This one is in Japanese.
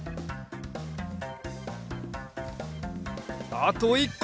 あと１こ！